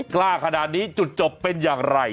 กล้าขนาดนี้จุดจบเป็นอย่างไร